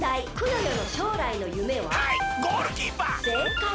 せいかい。